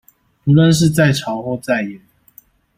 不論是在朝或在野的